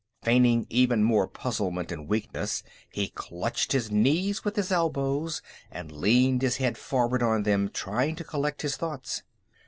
Feigning even more puzzlement and weakness, he clutched his knees with his elbows and leaned his head forward on them, trying to collect his thoughts.